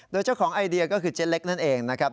โดยเจ้าของไอเดียก็คือเจ๊เล็กนั่นเองนะครับ